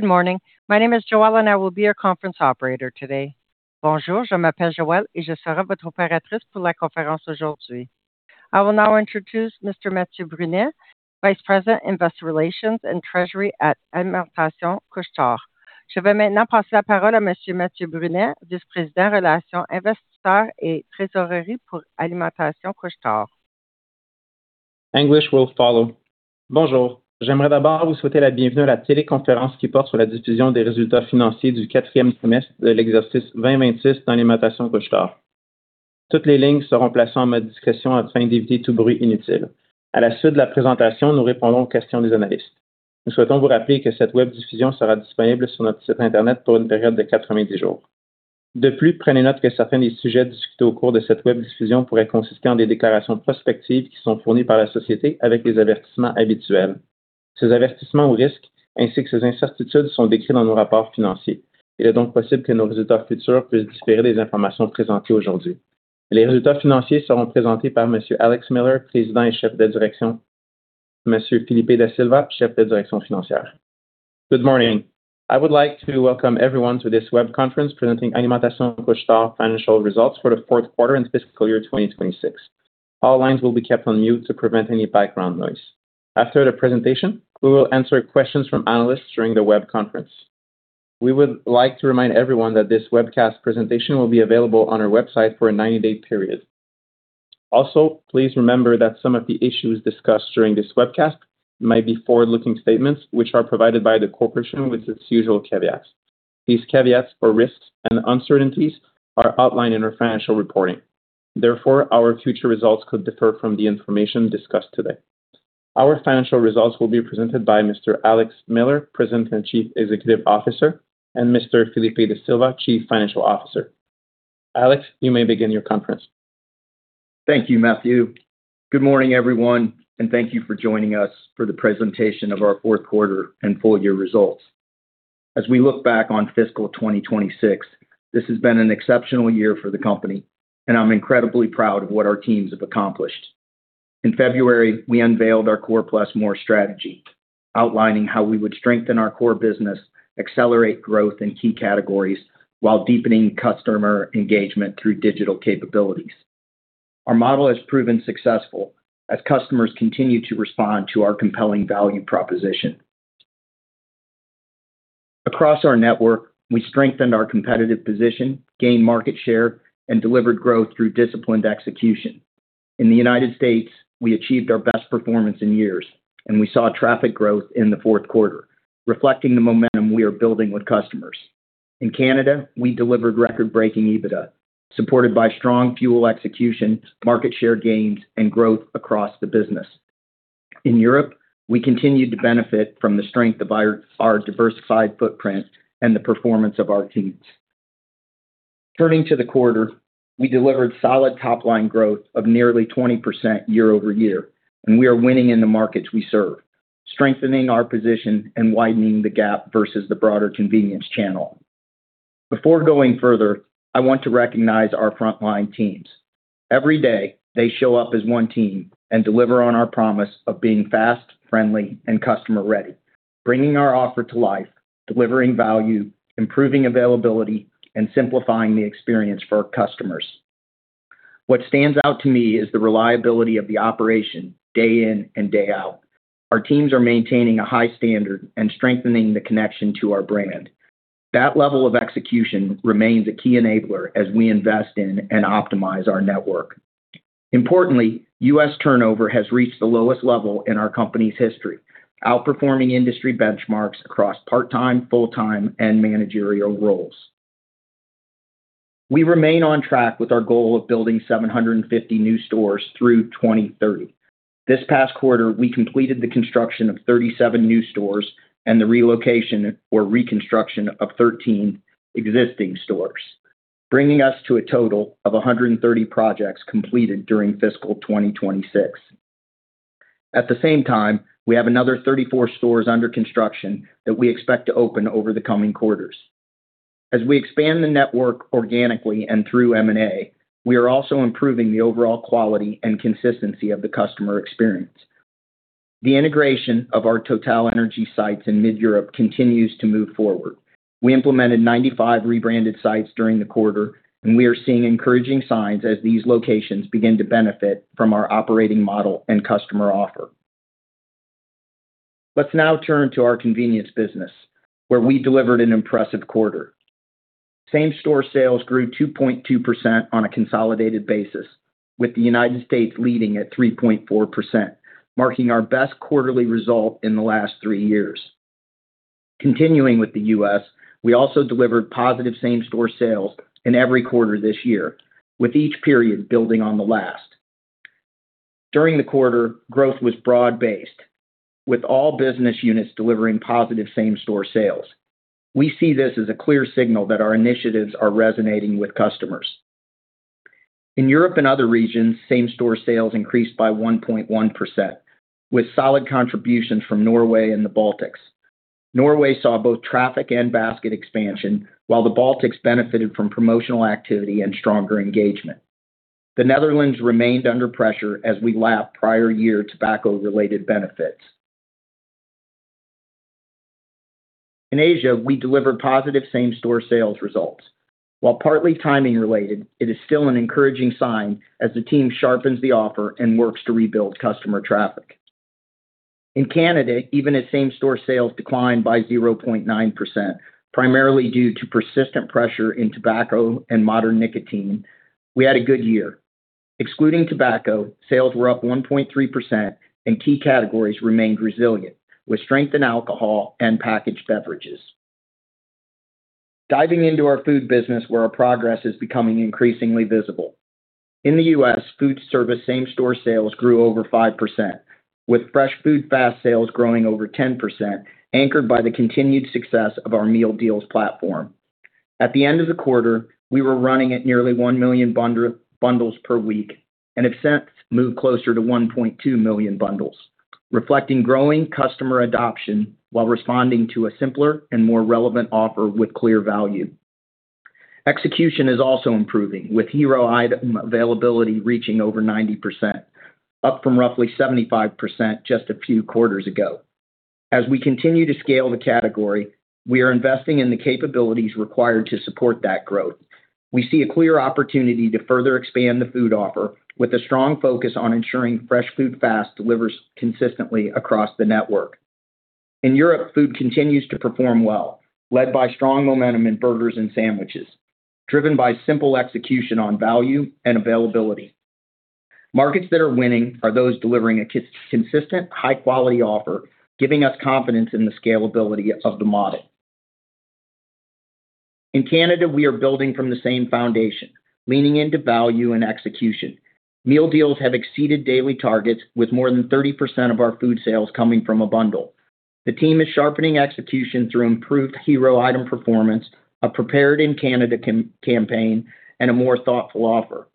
Good morning. My name is Joelle and I will be your conference operator today. I will now introduce Mr. Mathieu Brunet, Vice President, Investor Relations and Treasury at Alimentation Couche-Tard. English will follow. Alex Miller. Good morning. I would like to welcome everyone to this web conference presenting Alimentation Couche-Tard financial results for the fourth quarter and fiscal year 2026. All lines will be kept on mute to prevent any background noise. After the presentation, we will answer questions from analysts during the web conference. We would like to remind everyone that this webcast presentation will be available on our website for a 90-day period. Please remember that some of the issues discussed during this webcast might be forward-looking statements, which are provided by the corporation with its usual caveats. These caveats for risks and uncertainties are outlined in our financial reporting. Our future results could differ from the information discussed today. Our financial results will be presented by Mr. Alex Miller, President and Chief Executive Officer, and Mr. Filipe Da Silva, Chief Financial Officer. Alex, you may begin your conference. Thank you, Mathieu. Good morning, everyone, and thank you for joining us for the presentation of our fourth quarter and full year results. As we look back on fiscal 2026, this has been an exceptional year for the company, and I'm incredibly proud of what our teams have accomplished. In February, we unveiled our Core + More strategy, outlining how we would strengthen our core business, accelerate growth in key categories, while deepening customer engagement through digital capabilities. Our model has proven successful as customers continue to respond to our compelling value proposition. Across our network, we strengthened our competitive position, gained market share, and delivered growth through disciplined execution. In the United States, we achieved our best performance in years, and we saw traffic growth in the fourth quarter, reflecting the momentum we are building with customers. In Canada, we delivered record-breaking EBITDA, supported by strong fuel execution, market share gains, and growth across the business. In Europe, we continued to benefit from the strength of our diversified footprint and the performance of our teams. Turning to the quarter, we delivered solid top-line growth of nearly 20% year-over-year. We are winning in the markets we serve, strengthening our position and widening the gap versus the broader convenience channel. Before going further, I want to recognize our frontline teams. Every day, they show up as one team and deliver on our promise of being fast, friendly, and customer-ready, bringing our offer to life, delivering value, improving availability, and simplifying the experience for our customers. What stands out to me is the reliability of the operation day in and day out. Our teams are maintaining a high standard and strengthening the connection to our brand. That level of execution remains a key enabler as we invest in and optimize our network. Importantly, U.S. turnover has reached the lowest level in our company's history, outperforming industry benchmarks across part-time, full-time, and managerial roles. We remain on track with our goal of building 750 new stores through 2030. This past quarter, we completed the construction of 37 new stores and the relocation or reconstruction of 13 existing stores, bringing us to a total of 130 projects completed during fiscal 2026. At the same time, we have another 34 stores under construction that we expect to open over the coming quarters. As we expand the network organically and through M&A, we are also improving the overall quality and consistency of the customer experience. The integration of our TotalEnergies sites in mid-Europe continues to move forward. We implemented 95 rebranded sites during the quarter. We are seeing encouraging signs as these locations begin to benefit from our operating model and customer offer. Let's now turn to our convenience business, where we delivered an impressive quarter. Same-store sales grew 2.2% on a consolidated basis, with the United States leading at 3.4%, marking our best quarterly result in the last three years. Continuing with the U.S., we also delivered positive same-store sales in every quarter this year, with each period building on the last. During the quarter, growth was broad-based, with all business units delivering positive same-store sales. We see this as a clear signal that our initiatives are resonating with customers. In Europe and other regions, same-store sales increased by 1.1%, with solid contributions from Norway and the Baltics. Norway saw both traffic and basket expansion, while the Baltics benefited from promotional activity and stronger engagement. The Netherlands remained under pressure as we lapped prior year tobacco-related benefits. In Asia, we delivered positive same-store sales results. While partly timing related, it is still an encouraging sign as the team sharpens the offer and works to rebuild customer traffic. In Canada, even as same-store sales declined by 0.9%, primarily due to persistent pressure in tobacco and other nicotine products, we had a good year. Excluding tobacco, sales were up 1.3% and key categories remained resilient, with strength in alcohol and packaged beverages. Diving into our food business where our progress is becoming increasingly visible. In the U.S., food service same-store sales grew over 5%, with Fresh Food Fast sales growing over 10%, anchored by the continued success of our meal deals platform. At the end of the quarter, we were running at nearly 1 million bundles per week and have since moved closer to 1.2 million bundles, reflecting growing customer adoption while responding to a simpler and more relevant offer with clear value. Execution is also improving, with hero item availability reaching over 90%, up from roughly 75% just a few quarters ago. As we continue to scale the category, we are investing in the capabilities required to support that growth. We see a clear opportunity to further expand the food offer with a strong focus on ensuring Fresh Food Fast delivers consistently across the network. In Europe, food continues to perform well, led by strong momentum in burgers and sandwiches, driven by simple execution on value and availability. Markets that are winning are those delivering a consistent high-quality offer, giving us confidence in the scalability of the model. In Canada, we are building from the same foundation, leaning into value and execution. Meal deals have exceeded daily targets with more than 30% of our food sales coming from a bundle. The team is sharpening execution through improved hero item performance, a prepared in Canada campaign, and a more thoughtful offer.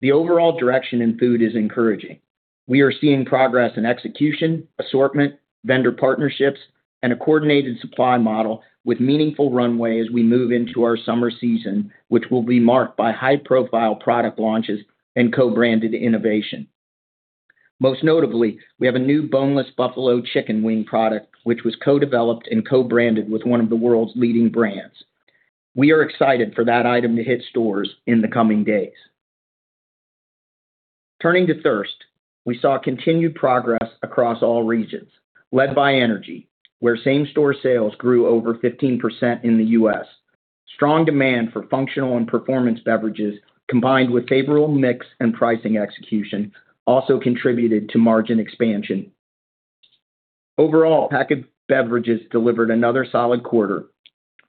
The overall direction in food is encouraging. We are seeing progress in execution, assortment, vendor partnerships, and a coordinated supply model with meaningful runway as we move into our summer season, which will be marked by high-profile product launches and co-branded innovation. Most notably, we have a new boneless buffalo chicken wing product, which was co-developed and co-branded with one of the world's leading brands. We are excited for that item to hit stores in the coming days. Turning to thirst, we saw continued progress across all regions, led by energy, where same-store sales grew over 15% in the U.S. Strong demand for functional and performance beverages, combined with favorable mix and pricing execution, also contributed to margin expansion. Overall, packaged beverages delivered another solid quarter,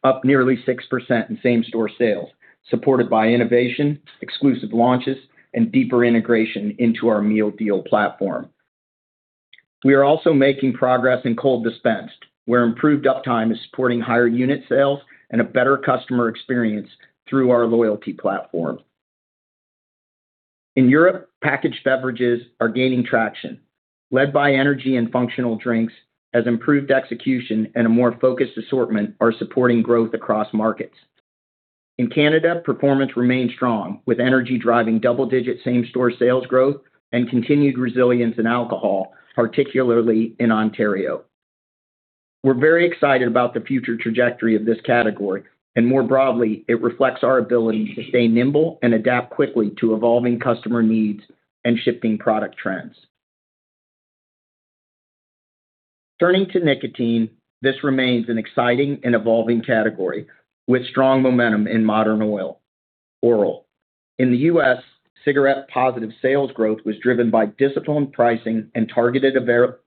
up nearly 6% in same-store sales, supported by innovation, exclusive launches, and deeper integration into our meal deal platform. We are also making progress in cold dispensed, where improved uptime is supporting higher unit sales and a better customer experience through our loyalty platform. In Europe, packaged beverages are gaining traction, led by energy and functional drinks, as improved execution and a more focused assortment are supporting growth across markets. In Canada, performance remains strong, with energy driving double-digit same-store sales growth and continued resilience in alcohol, particularly in Ontario. We're very excited about the future trajectory of this category, and more broadly, it reflects our ability to stay nimble and adapt quickly to evolving customer needs and shifting product trends. Turning to nicotine, this remains an exciting and evolving category with strong momentum in modern oral. In the U.S., cigarette positive sales growth was driven by disciplined pricing and targeted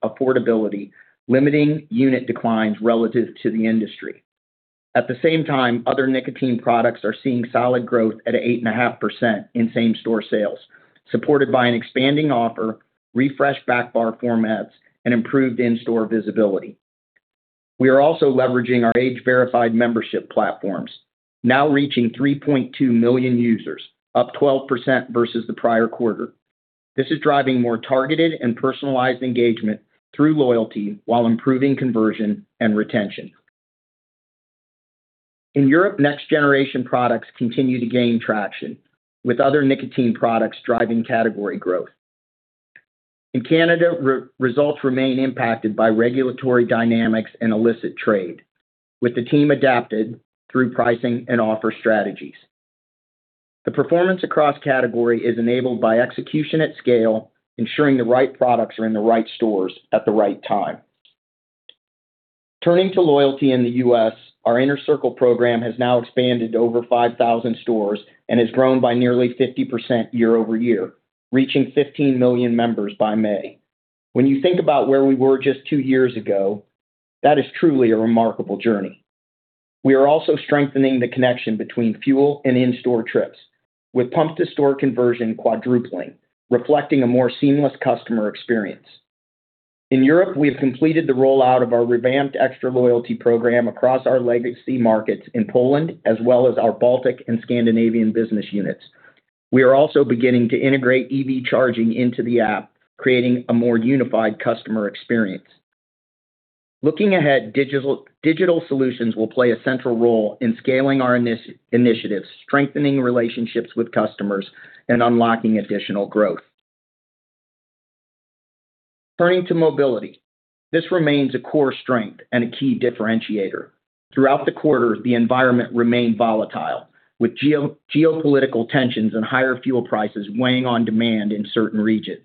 affordability, limiting unit declines relative to the industry. At the same time, other nicotine products are seeing solid growth at 8.5% in same-store sales, supported by an expanding offer, refreshed back bar formats, and improved in-store visibility. We are also leveraging our age-verified membership platforms, now reaching 3.2 million users, up 12% versus the prior quarter. This is driving more targeted and personalized engagement through loyalty while improving conversion and retention. In Europe, next generation products continue to gain traction, with other nicotine products driving category growth. In Canada, results remain impacted by regulatory dynamics and illicit trade. With the team adapted through pricing and offer strategies. The performance across category is enabled by execution at scale, ensuring the right products are in the right stores at the right time. Turning to loyalty in the U.S., our Inner Circle program has now expanded to over 5,000 stores and has grown by nearly 50% year-over-year, reaching 15 million members by May. When you think about where we were just two years ago, that is truly a remarkable journey. We are also strengthening the connection between fuel and in-store trips with pump-to-store conversion quadrupling, reflecting a more seamless customer experience. In Europe, we have completed the rollout of our revamped Extra loyalty program across our legacy markets in Poland, as well as our Baltic and Scandinavian business units. We are also beginning to integrate EV charging into the app, creating a more unified customer experience. Looking ahead, digital solutions will play a central role in scaling our initiatives, strengthening relationships with customers, and unlocking additional growth. Turning to mobility. This remains a core strength and a key differentiator. Throughout the quarter, the environment remained volatile, with geopolitical tensions and higher fuel prices weighing on demand in certain regions.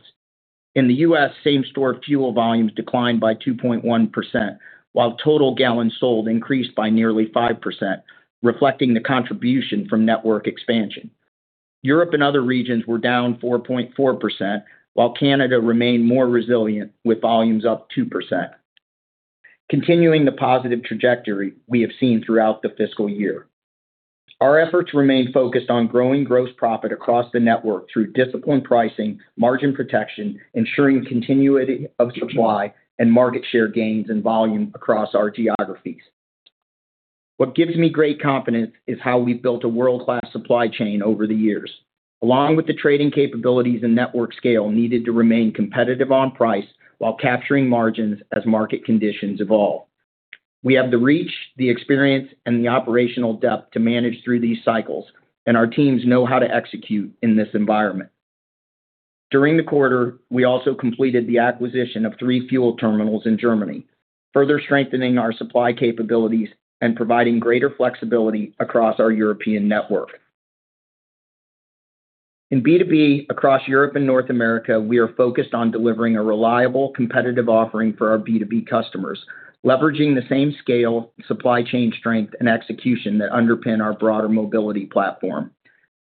In the U.S., same-store fuel volumes declined by 2.1%, while total gallons sold increased by nearly 5%, reflecting the contribution from network expansion. Europe and other regions were down 4.4%, while Canada remained more resilient, with volumes up 2%. Continuing the positive trajectory we have seen throughout the fiscal year. Our efforts remain focused on growing gross profit across the network through disciplined pricing, margin protection, ensuring continuity of supply, and market share gains and volume across our geographies. What gives me great confidence is how we've built a world-class supply chain over the years, along with the trading capabilities and network scale needed to remain competitive on price while capturing margins as market conditions evolve. We have the reach, the experience, and the operational depth to manage through these cycles, and our teams know how to execute in this environment. During the quarter, we also completed the acquisition of three fuel terminals in Germany, further strengthening our supply capabilities and providing greater flexibility across our European network. In B2B across Europe and North America, we are focused on delivering a reliable, competitive offering for our B2B customers, leveraging the same scale, supply chain strength, and execution that underpin our broader mobility platform.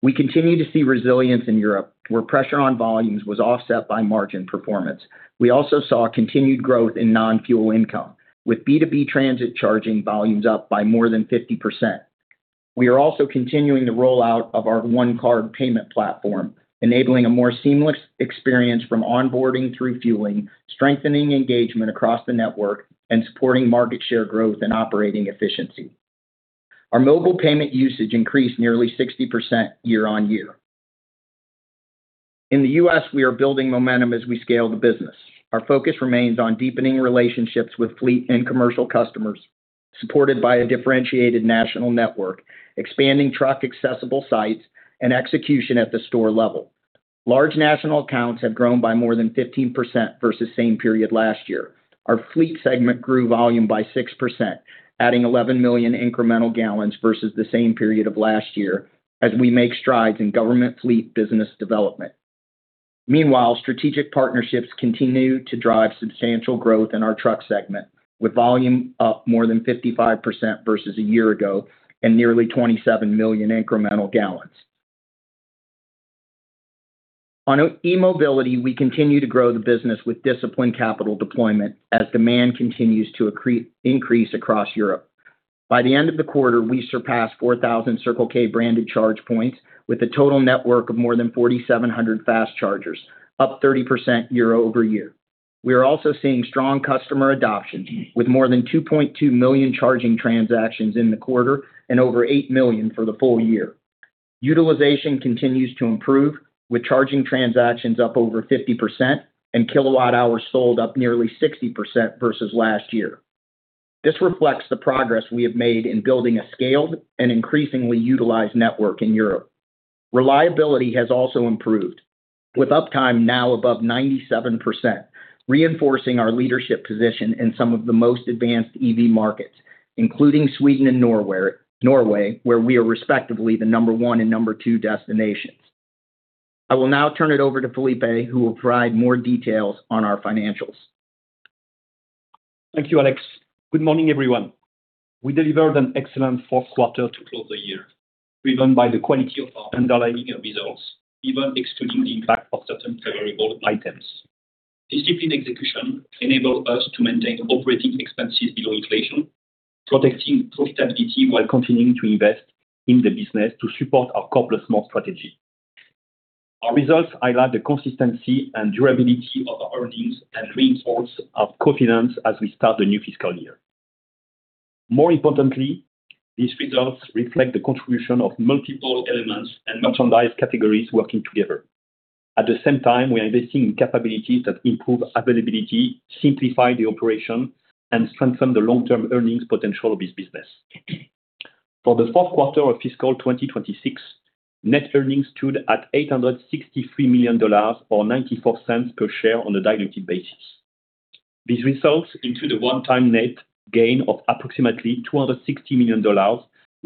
We continue to see resilience in Europe, where pressure on volumes was offset by margin performance. We also saw continued growth in non-fuel income, with B2B transit charging volumes up by more than 50%. We are also continuing the rollout of our one-card payment platform, enabling a more seamless experience from onboarding through fueling, strengthening engagement across the network, and supporting market share growth and operating efficiency. Our mobile payment usage increased nearly 60% year-over-year. In the U.S., we are building momentum as we scale the business. Our focus remains on deepening relationships with fleet and commercial customers, supported by a differentiated national network, expanding truck-accessible sites, and execution at the store level. Large national accounts have grown by more than 15% versus same period last year. Our fleet segment grew volume by 6%, adding 11 million incremental gallons versus the same period of last year as we make strides in government fleet business development. Meanwhile, strategic partnerships continue to drive substantial growth in our truck segment, with volume up more than 55% versus a year ago and 27 million incremental gallons. On e-mobility, we continue to grow the business with disciplined capital deployment as demand continues to increase across Europe. By the end of the quarter, we surpassed 4,000 Circle K-branded charge points, with a total network of more than 4,700 fast chargers, up 30% year-over-year. We are also seeing strong customer adoption, with more than 2.2 million charging transactions in the quarter and over 8 million for the full year. Utilization continues to improve, with charging transactions up over 50% and kilowatt hours sold up nearly 60% versus last year. This reflects the progress we have made in building a scaled and increasingly utilized network in Europe. Reliability has also improved, with uptime now above 97%, reinforcing our leadership position in some of the most advanced EV markets, including Sweden and Norway, where we are respectively the number one and number two destinations. I will now turn it over to Filipe, who will provide more details on our financials. Thank you, Alex. Good morning, everyone. We delivered an excellent fourth quarter to close the year, driven by the quality of our underlying results, even excluding the impact of certain favorable items. Disciplined execution enabled us to maintain operating expenses below inflation, protecting profitability while continuing to invest in the business to support our Core + More strategy. Our results highlight the consistency and durability of our earnings and reinforce our confidence as we start the new fiscal year. More importantly, these results reflect the contribution of multiple elements and merchandise categories working together. At the same time, we are investing in capabilities that improve availability, simplify the operation, and strengthen the long-term earnings potential of this business. For the fourth quarter of fiscal 2026, net earnings stood at $863 million, or $0.94 per share on a diluted basis. These results include a one-time net gain of approximately $260 million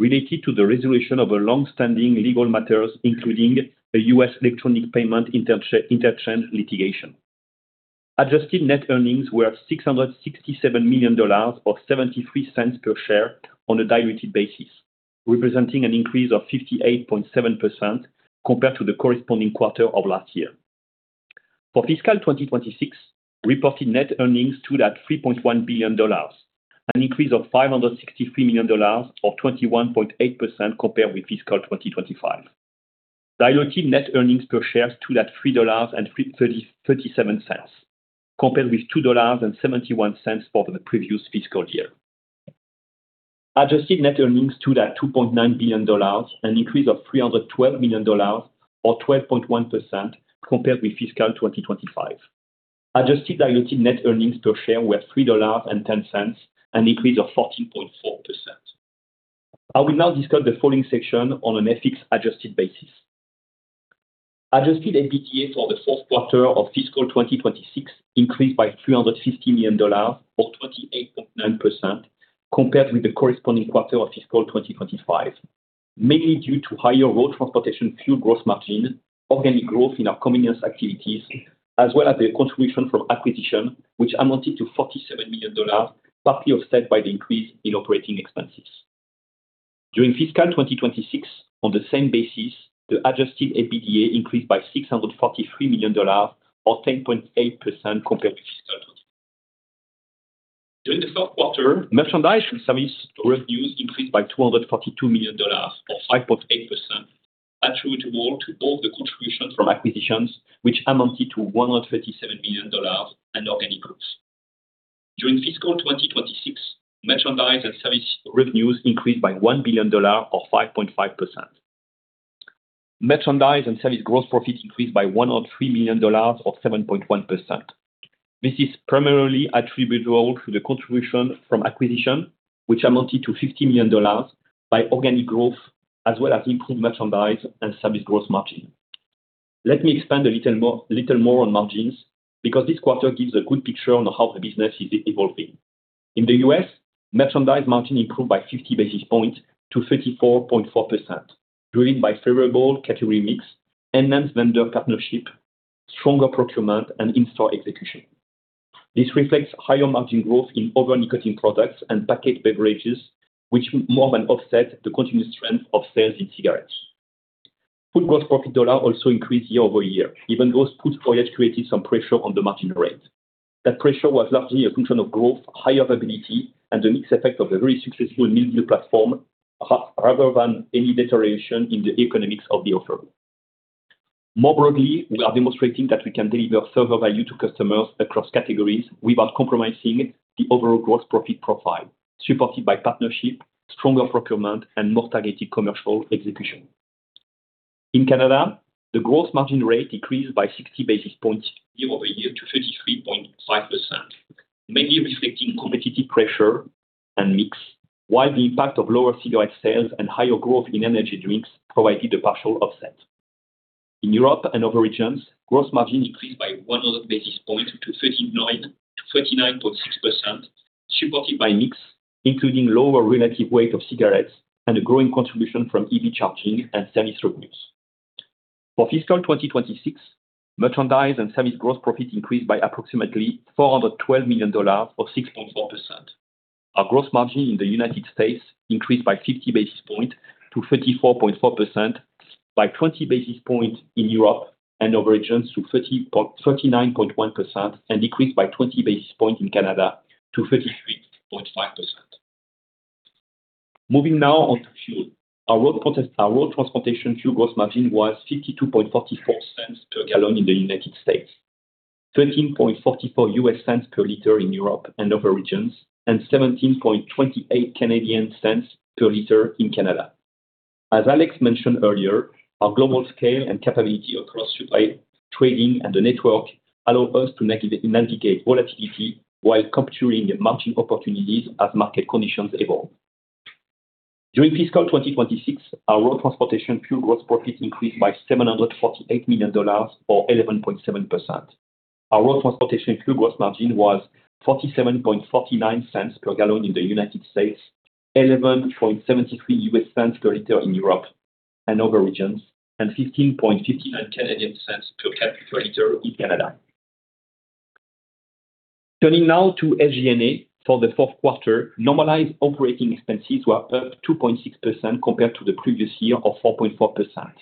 related to the resolution of a long-standing legal matter, including a U.S. electronic payment interchange litigation. Adjusted net earnings were $667 million, or $0.73 per share on a diluted basis, representing an increase of 58.7% compared to the corresponding quarter of last year. For fiscal 2026, reported net earnings stood at $3.1 billion, an increase of $563 million, or 21.8%, compared with fiscal 2025. Diluted net earnings per share stood at $3.37, compared with $2.71 for the previous fiscal year. Adjusted net earnings stood at $2.9 billion, an increase of $312 million or 12.1% compared with fiscal 2025. Adjusted diluted net earnings per share were $3.10, an increase of 14.4%. I will now discuss the following section on an FX adjusted basis. Adjusted EBITDA for the fourth quarter of fiscal 2026 increased by $350 million or 28.9% compared with the corresponding quarter of fiscal 2025, mainly due to higher road transportation fuel gross margin, organic growth in our convenience activities, as well as the contribution from acquisition, which amounted to $47 million, partly offset by the increase in operating expenses. During fiscal 2026, on the same basis, the adjusted EBITDA increased by $643 million or 10.8% compared to fiscal 2025. During the fourth quarter, merchandise and service revenues increased by $242 million or 5.8%, attributable to both the contributions from acquisitions which amounted to $137 million and organic growth. During fiscal 2026, merchandise and service revenues increased by $1 billion or 5.5%. Merchandise and service gross profit increased by $103 million or 7.1%. This is primarily attributable to the contribution from acquisition, which amounted to $50 million by organic growth as well as improved merchandise and service gross margin. Let me expand a little more on margins because this quarter gives a good picture on how the business is evolving. In the U.S., merchandise margin improved by 50 basis points to 34.4%, driven by favorable category mix, enhanced vendor partnership, stronger procurement, and in-store execution. This reflects higher margin growth in organic cutting products and packaged beverages, which more than offset the continued strength of sales in cigarettes. Food gross profit dollar also increased year-over-year, even though food shrinkage created some pressure on the margin rate. That pressure was largely a function of growth, higher availability, and the mixed effect of a very successful meal platform, rather than any deterioration in the economics of the offer. More broadly, we are demonstrating that we can deliver further value to customers across categories without compromising the overall gross profit profile, supported by partnership, stronger procurement, and more targeted commercial execution. In Canada, the gross margin rate decreased by 60 basis points year-over-year to 33.5%, mainly reflecting competitive pressure and mix, while the impact of lower cigarette sales and higher growth in energy drinks provided a partial offset. In Europe and other regions, gross margin increased by 100 basis points to 39.6%, supported by mix, including lower relative weight of cigarettes and a growing contribution from EV charging and service revenues. For fiscal 2026, merchandise and service gross profit increased by approximately $412 million or 6.4%. Our gross margin in the United States increased by 50 basis points to 34.4%, by 20 basis points in Europe and other regions to 39.1%, and decreased by 20 basis points in Canada to 33.5%. Moving now on to fuel. Our road transportation fuel gross margin was $0.5244 per gallon in the United States, $0.1344 per liter in Europe and other regions, and 0.1728 per liter in Canada. As Alex mentioned earlier, our global scale and capability across supply, trading, and the network allow us to mitigate volatility while capturing margin opportunities as market conditions evolve. During fiscal 2026, our road transportation fuel gross profit increased by $748 million or 11.7%. Our road transportation fuel gross margin was $0.4749 per gallon in the United States, $0.1173 per liter in Europe and other regions, and 0.1559 per liter in Canada. Turning now to SG&A. For the fourth quarter, normalized operating expenses were up 2.6% compared to the previous year of 4.4%,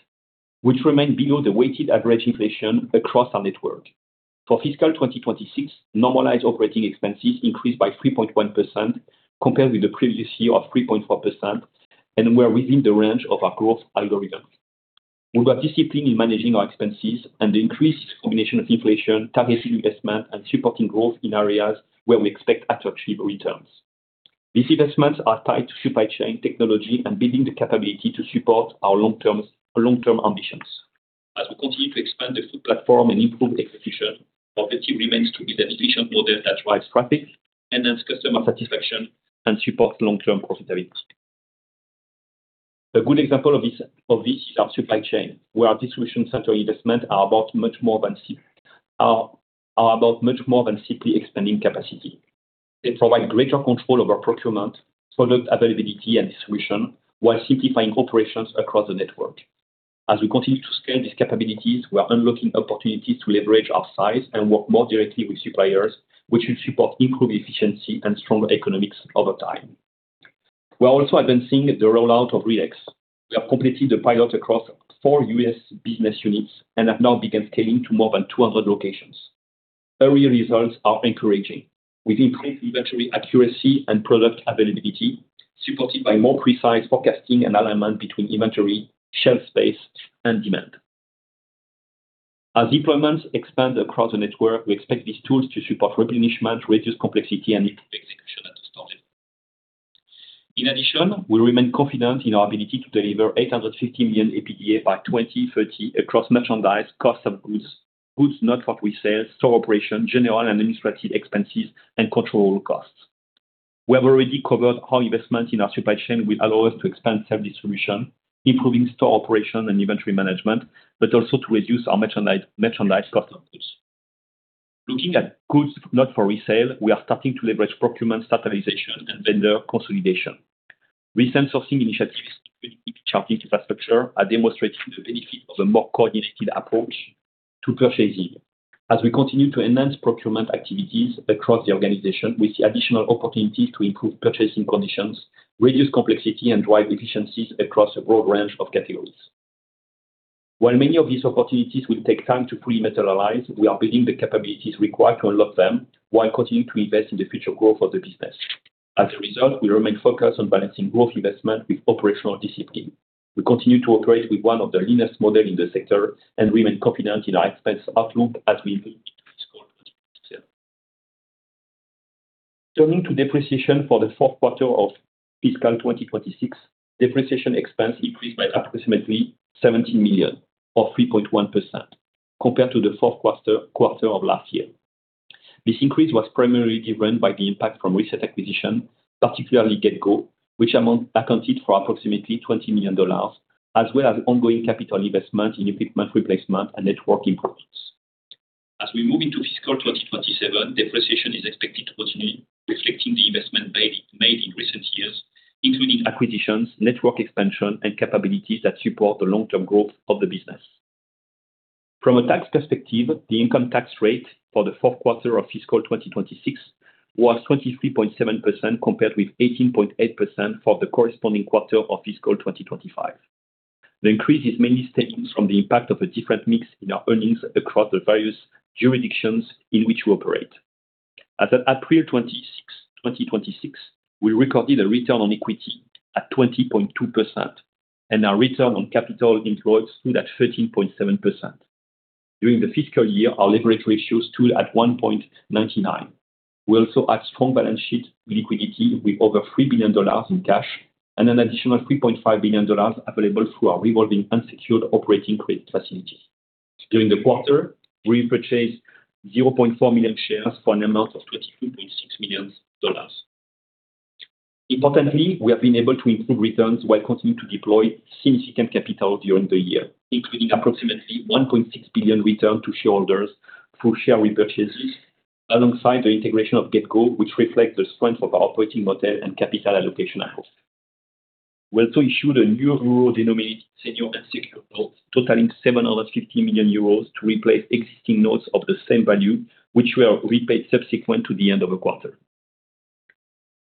which remain below the weighted average inflation across our network. For fiscal 2026, normalized operating expenses increased by 3.1% compared with the previous year of 3.4%, and were within the range of our growth algorithm. We were disciplined in managing our expenses and the increased combination of inflation, targeted investment, and supporting growth in areas where we expect to achieve returns. These investments are tied to supply chain technology and building the capability to support our long-term ambitions. As we continue to expand the food platform and improve execution, our objective remains to be an efficient model that drives traffic, enhance customer satisfaction, and support long-term profitability. A good example of this is our supply chain, where our distribution center investment are about much more than simply expanding capacity. They provide greater control over procurement, product availability, and distribution, while simplifying operations across the network. As we continue to scale these capabilities, we are unlocking opportunities to leverage our size and work more directly with suppliers, which will support improved efficiency and stronger economics over time. We are also advancing the rollout of RELEX. We have completed the pilot across four U.S. business units and have now begun scaling to more than 200 locations. Early results are encouraging, with increased inventory accuracy and product availability, supported by more precise forecasting and alignment between inventory, shelf space, and demand. As deployments expand across the network, we expect these tools to support replenishment, reduce complexity, and improve execution at the store level. In addition, we remain confident in our ability to deliver 850 million EBITDA by 2030 across merchandise, cost of goods not for resale, store operation, general and administrative expenses, and control costs. We have already covered how investment in our supply chain will allow us to expand self-distribution, improving store operation and inventory management, but also to reduce our merchandise cost of goods. Looking at goods not for resale, we are starting to leverage procurement standardization and vendor consolidation. Recent sourcing initiatives, including charging infrastructure, are demonstrating the benefit of a more coordinated approach to purchasing. As we continue to enhance procurement activities across the organization, we see additional opportunities to improve purchasing conditions, reduce complexity, and drive efficiencies across a broad range of categories. While many of these opportunities will take time to fully materialize, we are building the capabilities required to unlock them while continuing to invest in the future growth of the business. As a result, we remain focused on balancing growth investment with operational discipline. We continue to operate with one of the leanest models in the sector and remain confident in our expense outlook as we move into fiscal 2027. Turning to depreciation for the fourth quarter of fiscal 2026, depreciation expense increased by approximately 17 million, or 3.1%, compared to the fourth quarter of last year. This increase was primarily driven by the impact from recent acquisitions, particularly GetGo, which accounted for approximately 20 million dollars, as well as ongoing capital investment in equipment replacement and network improvements. As we move into fiscal 2027, depreciation is expected to continue reflecting the investment made in recent years, including acquisitions, network expansion, and capabilities that support the long-term growth of the business. From a tax perspective, the income tax rate for the fourth quarter of fiscal 2026 was 23.7%, compared with 18.8% for the corresponding quarter of fiscal 2025. The increase is mainly stemming from the impact of a different mix in our earnings across the various jurisdictions in which we operate. As of April 26, 2026, we recorded a return on equity at 20.2%, and our return on capital employed stood at 13.7%. During the fiscal year, our leverage ratio stood at 1.99. We also have strong balance sheet liquidity with over $3 billion in cash and an additional $3.5 billion available through our revolving unsecured operating credit facility. During the quarter, we repurchased 0.4 million shares for an amount of $22.6 million. Importantly, we have been able to improve returns while continuing to deploy significant capital during the year, including approximately $1.6 billion return to shareholders through share repurchases, alongside the integration of GetGo, which reflects the strength of our operating model and capital allocation approach. We also issued a new euro-denominated senior unsecured notes totaling 750 million euros to replace existing notes of the same value, which were repaid subsequent to the end of the quarter.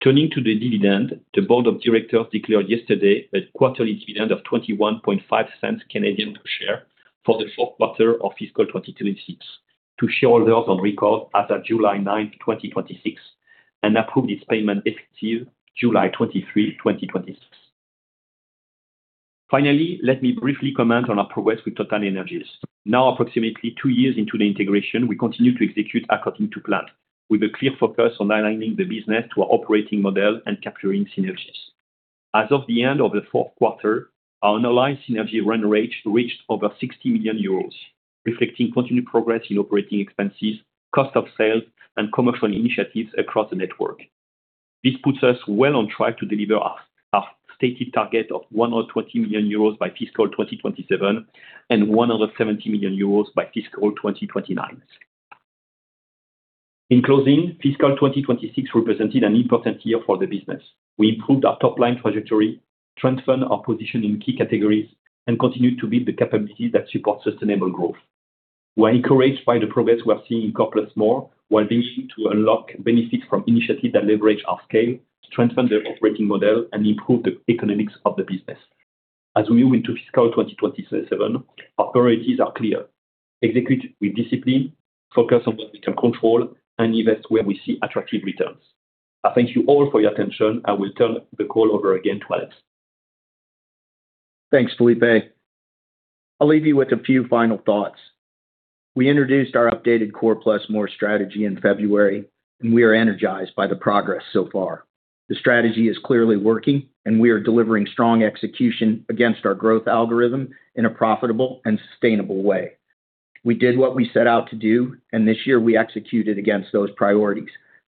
Turning to the dividend, the board of directors declared yesterday a quarterly dividend of 0.215 per share for the fourth quarter of fiscal 2026 to shareholders on record as of July 9th, 2026, and approved its payment effective July 23, 2026. Finally, let me briefly comment on our progress with TotalEnergies. Now approximately two years into the integration, we continue to execute according to plan, with a clear focus on aligning the business to our operating model and capturing synergies. As of the end of the fourth quarter, our analyzed synergy run rate reached over 60 million euros, reflecting continued progress in operating expenses, cost of sales, and commercial initiatives across the network. This puts us well on track to deliver our stated target of 120 million euros by fiscal 2027 and 170 million euros by fiscal 2029. In closing, fiscal 2026 represented an important year for the business. We improved our top-line trajectory, strengthened our position in key categories, and continued to build the capabilities that support sustainable growth. We are encouraged by the progress we are seeing in Core + More, while being able to unlock benefits from initiatives that leverage our scale to strengthen the operating model and improve the economics of the business. As we move into fiscal 2027, our priorities are clear: execute with discipline, focus on what we can control, and invest where we see attractive returns. I thank you all for your attention, and will turn the call over again to Alex. Thanks, Filipe. I'll leave you with a few final thoughts. We introduced our updated Core + More strategy in February, we are energized by the progress so far. The strategy is clearly working, we are delivering strong execution against our growth algorithm in a profitable and sustainable way. We did what we set out to do, this year we executed against those priorities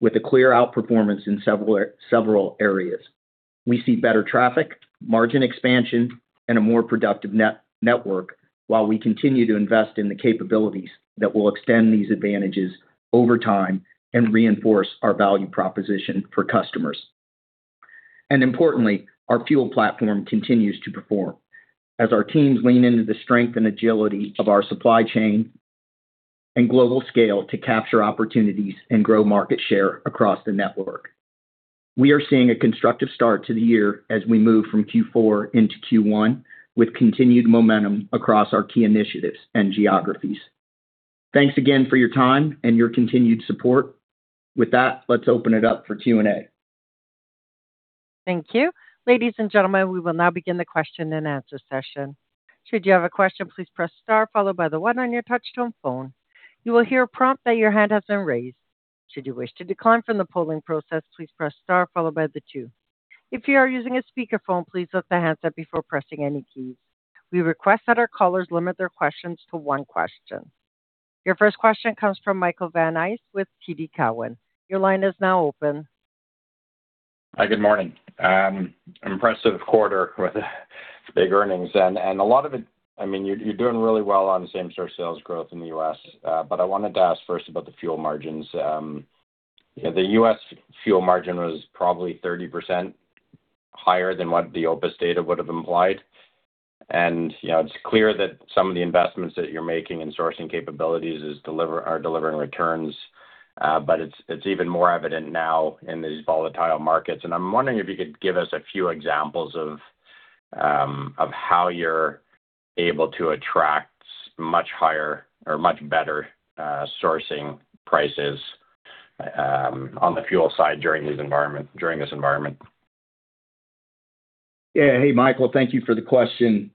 with a clear outperformance in several areas. We see better traffic, margin expansion, and a more productive network while we continue to invest in the capabilities that will extend these advantages over time and reinforce our value proposition for customers. Importantly, our fuel platform continues to perform as our teams lean into the strength and agility of our supply chain and global scale to capture opportunities and grow market share across the network. We are seeing a constructive start to the year as we move from Q4 into Q1 with continued momentum across our key initiatives and geographies. Thanks again for your time and your continued support. With that, let's open it up for Q&A. Thank you. Ladies and gentlemen, we will now begin the question and answer session. Should you have a question, please press star followed by the one on your touch-tone phone. You will hear a prompt that your hand has been raised. Should you wish to decline from the polling process, please press star followed by the two. If you are using a speakerphone, please lift the handset before pressing any keys. We request that our callers limit their questions to one question. Your first question comes from Michael Van Aelst with TD Cowen. Your line is now open. Hi, good morning. Impressive quarter with big earnings, a lot of it, you're doing really well on same-store sales growth in the U.S. I wanted to ask first about the fuel margins. The U.S. fuel margin was probably 30% higher than what the OPIS data would've implied. It's clear that some of the investments that you're making in sourcing capabilities are delivering returns. It's even more evident now in these volatile markets. I'm wondering if you could give us a few examples of how you're able to attract much higher or much better sourcing prices on the fuel side during this environment. Yeah. Hey, Michael, thank you for the question.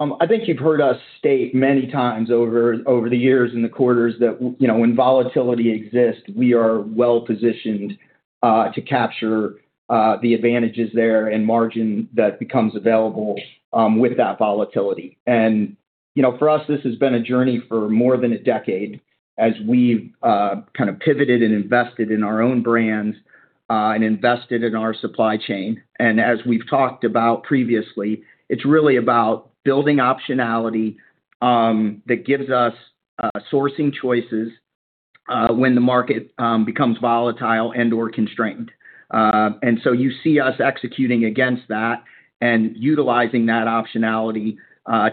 I think you've heard us state many times over the years and the quarters that when volatility exists, we are well-positioned to capture the advantages there and margin that becomes available with that volatility. For us, this has been a journey for more than a decade as we've kind of pivoted and invested in our own brands, and invested in our supply chain. As we've talked about previously, it's really about building optionality that gives us sourcing choices when the market becomes volatile and/or constrained. You see us executing against that and utilizing that optionality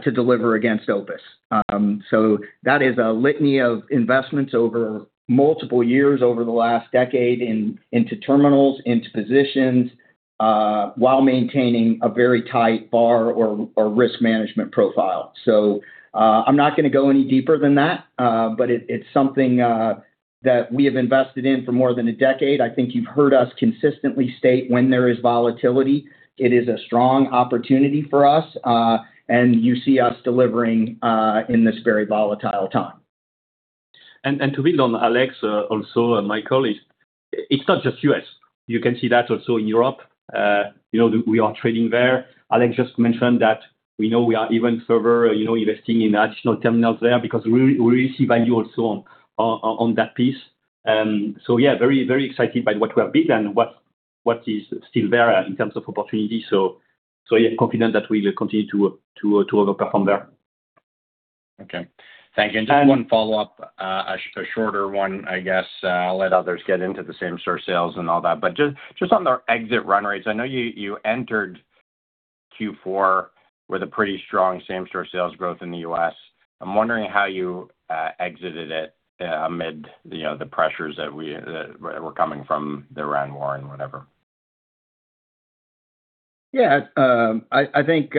to deliver against OPIS. That is a litany of investments over multiple years over the last decade into terminals, into positions, while maintaining a very tight bar or risk management profile. I'm not gonna go any deeper than that, but it's something that we have invested in for more than a decade. I think you've heard us consistently state when there is volatility, it is a strong opportunity for us, you see us delivering in this very volatile time. To build on Alex, also, and Michael, it's not just U.S. You can see that also in Europe. We are trading there. Alex just mentioned that we know we are even further investing in additional terminals there because we see value also on that piece. Yeah, very excited by what we have built and what is still there in terms of opportunity. Yeah, confident that we will continue to over-perform there. Okay. Thank you. Just one follow-up, a shorter one, I guess. I'll let others get into the same-store sales and all that. Just on the exit run rates, I know you entered Q4 with a pretty strong same-store sales growth in the U.S. I'm wondering how you exited it amid the pressures that were coming from the tariff war and whatever. Yeah. I think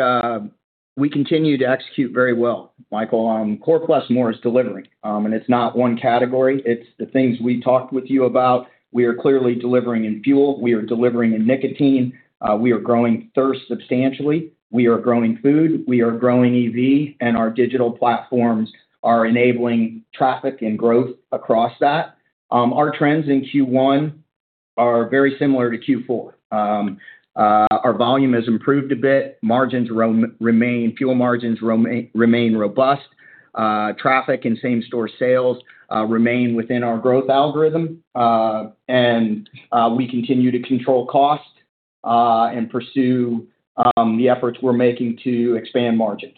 we continue to execute very well, Michael. Core + More is delivering. It's not one category. It's the things we talked with you about. We are clearly delivering in fuel. We are delivering in nicotine. We are growing thirst substantially. We are growing food. We are growing EV, and our digital platforms are enabling traffic and growth across that. Our trends in Q1 are very similar to Q4. Our volume has improved a bit. Fuel margins remain robust. Traffic and same-store sales remain within our growth algorithm. We continue to control cost, and pursue the efforts we're making to expand margins.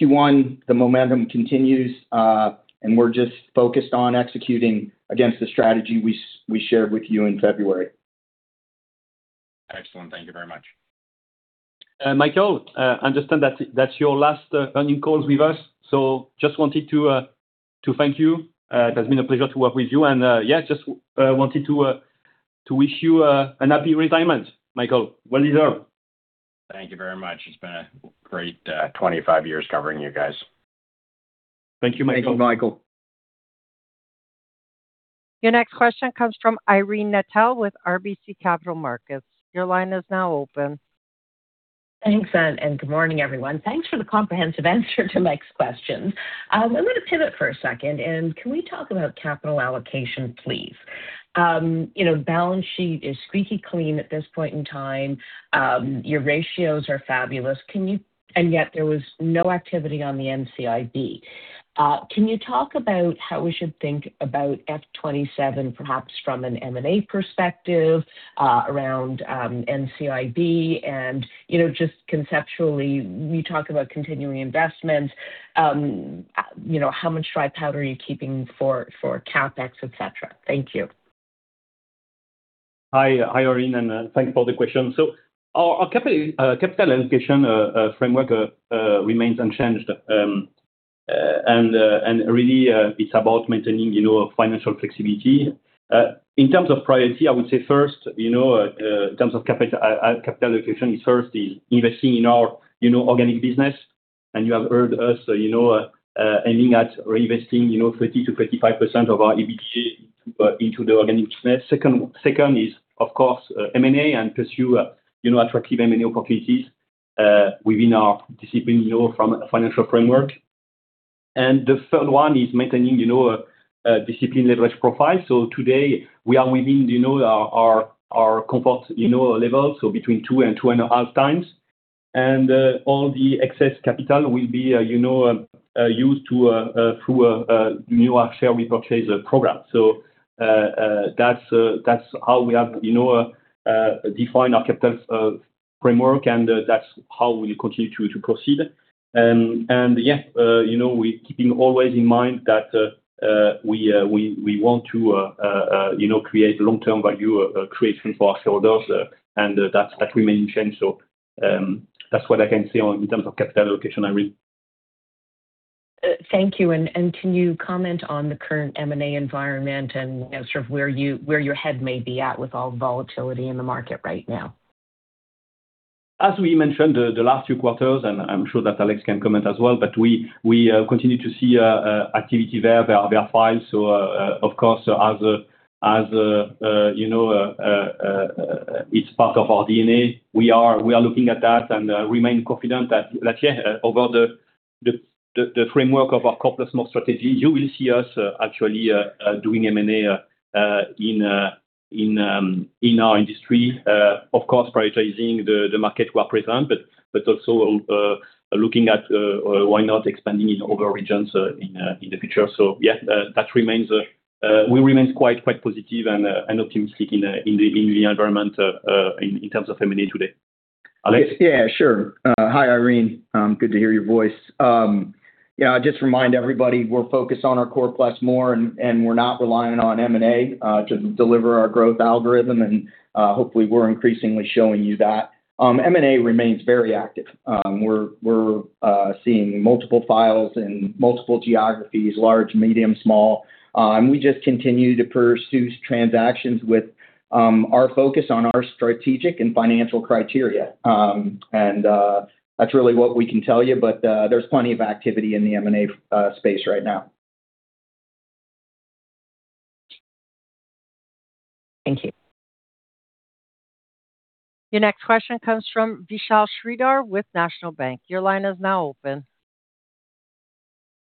Q1, the momentum continues, and we're just focused on executing against the strategy we shared with you in February. Excellent. Thank you very much. Michael, I understand that's your last earnings calls with us. Just wanted to thank you. It has been a pleasure to work with you. Yeah, just wanted to wish you a happy retirement, Michael. Well deserved. Thank you very much. It's been a great 25 years covering you guys. Thank you, Michael. Thank you, Michael. Your next question comes from Irene Nattel with RBC Capital Markets. Your line is now open. Thanks. Good morning, everyone. Thanks for the comprehensive answer to Mike's questions. I'm gonna pivot for a second. Can we talk about capital allocation, please? Balance sheet is squeaky clean at this point in time. Your ratios are fabulous. Yet there was no activity on the NCIB. Can you talk about how we should think about FY 2027, perhaps from an M&A perspective, around NCIB and just conceptually, you talk about continuing investment. How much dry powder are you keeping for CapEx, et cetera? Thank you. Hi, Irene. Thanks for the question. Our capital allocation framework remains unchanged. Really, it's about maintaining financial flexibility. In terms of priority, I would say first, in terms of capital allocation, first is investing in our organic business. You have heard us, so aiming at reinvesting 30%-35% of our EBIT into the organic sales. Second is, of course, M&A and pursue attractive M&A opportunities within our disciplined from a financial framework. The third one is maintaining a disciplined leverage profile. Today, we are within our compact level, so between two and two and a half times. All the excess capital will be used through a new share repurchase program. That's how we have defined our capital's framework, and that's how we continue to proceed. Yeah, we keeping always in mind that we want to create long-term value creation for our shareholders, and that remains unchanged. That's what I can say in terms of capital allocation, Irene. Thank you. Can you comment on the current M&A environment and sort of where your head may be at with all the volatility in the market right now? As we mentioned, the last few quarters, and I'm sure that Alex can comment as well, but we continue to see activity there. There are files, of course, as it's part of our DNA, we are looking at that and remain confident that, yeah, over the framework of our Core + More strategy, you will see us actually doing M&A in our industry. Of course, prioritizing the market we're present, but also looking at why not expanding in other regions, in the future. Yeah, we remain quite positive and optimistic in the environment, in terms of M&A today. Alex? Yeah, sure. Hi, Irene. Good to hear your voice. Yeah, just remind everybody, we're focused on our Core + More, and we're not relying on M&A to deliver our growth algorithm, and hopefully we're increasingly showing you that. M&A remains very active. We're seeing multiple files in multiple geographies, large, medium, small. We just continue to pursue transactions with our focus on our strategic and financial criteria. That's really what we can tell you, but there's plenty of activity in the M&A space right now. Thank you. Your next question comes from Vishal Shreedhar with National Bank. Your line is now open.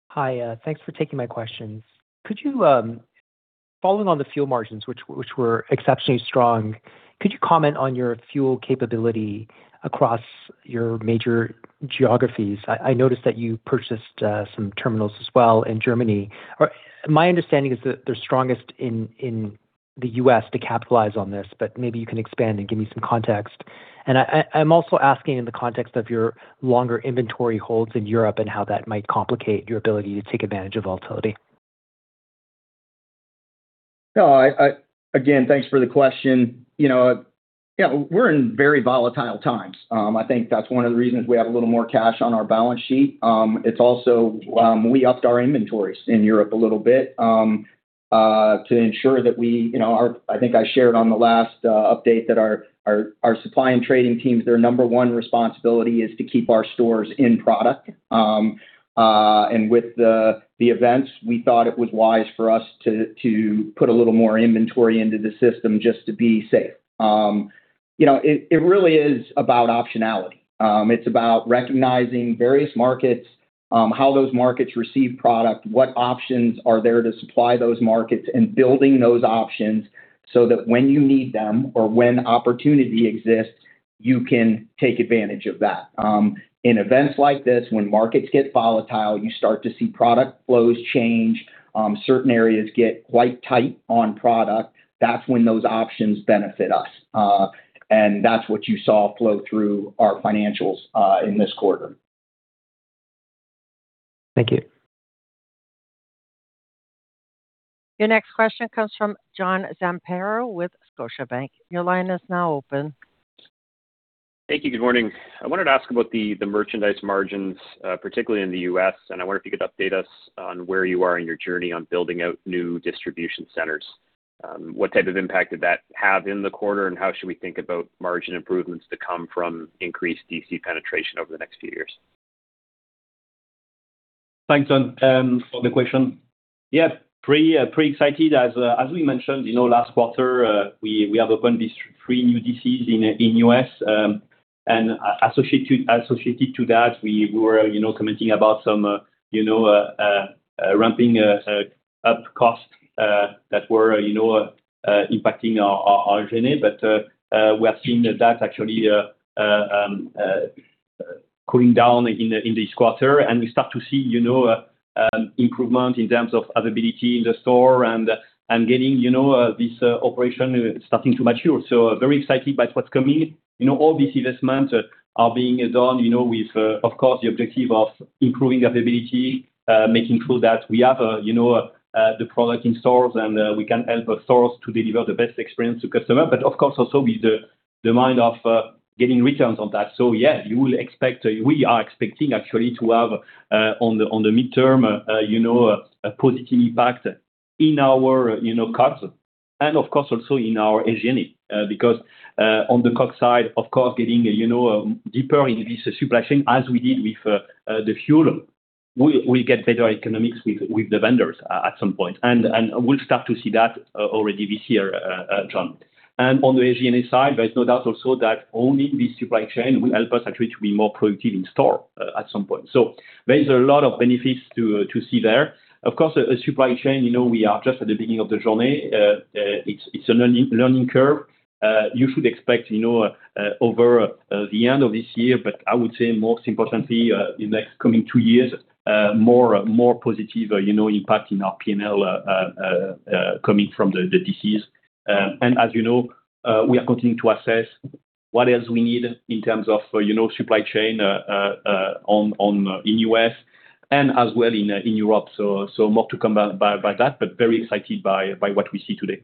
Hi. Thanks for taking my questions. Following on the fuel margins, which were exceptionally strong, could you comment on your fuel capability across your major geographies? I noticed that you purchased some terminals as well in Germany. My understanding is that they're strongest in the U.S. to capitalize on this, but maybe you can expand and give me some context. I'm also asking in the context of your longer inventory holds in Europe and how that might complicate your ability to take advantage of volatility. Again, thanks for the question. We are in very volatile times. I think that is one of the reasons we have a little more cash on our balance sheet. We also upped our inventories in Europe a little bit, to ensure that I think I shared on the last update that our supply and trading teams, their number one responsibility is to keep our stores in product. With the events, we thought it was wise for us to put a little more inventory into the system just to be safe. It really is about optionality. It is about recognizing various markets, how those markets receive product, what options are there to supply those markets, and building those options so that when you need them or when opportunity exists, you can take advantage of that. In events like this, when markets get volatile, you start to see product flows change. Certain areas get quite tight on product. That is when those options benefit us. That is what you saw flow through our financials in this quarter. Thank you. Your next question comes from John Zamparo with Scotiabank. Your line is now open. Thank you. Good morning. I wanted to ask about the merchandise margins, particularly in the U.S., and I wonder if you could update us on where you are in your journey on building out new distribution centers. What type of impact did that have in the quarter, and how should we think about margin improvements to come from increased DC penetration over the next few years? Thanks, John, for the question. Pretty excited. As we mentioned last quarter, we have opened these three new DCs in U.S., and associated to that, we were commenting about some ramping up cost that were impacting our journey. We are seeing that actually cooling down in this quarter and we start to see improvement in terms of availability in the store and getting this operation starting to mature. Very excited by what's coming. All these investments are being done with, of course, the objective of improving availability, making sure that we have the product in stores, and we can help stores to deliver the best experience to customer. Of course, also with the mind of getting returns on that. We are expecting actually to have, on the midterm, a positive impact in our costs. And of course, also in our AGNE. On the COGS side, of course, getting deeper into this supply chain as we did with the fuel, we get better economics with the vendors at some point. We'll start to see that already this year, John. On the AGNE side, there's no doubt also that owning this supply chain will help us actually to be more productive in store at some point. There's a lot of benefits to see there. Of course, as supply chain, we are just at the beginning of the journey. It's a learning curve. You should expect, over the end of this year, but I would say most importantly, in next coming two years, more positive impact in our P&L coming from the DCs. As you know, we are continuing to assess what else we need in terms of supply chain in U.S. and as well in Europe. More to come by that, very excited by what we see today.